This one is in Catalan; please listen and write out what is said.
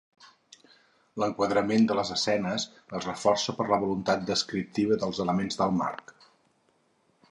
L'enquadrament de les escenes es reforça per la voluntat descriptiva dels elements del marc.